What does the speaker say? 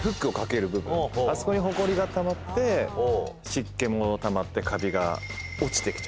あそこにホコリがたまって湿気もたまってカビが落ちてきちゃう。